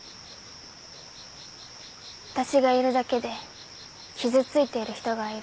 私がいるだけで傷ついている人がいる。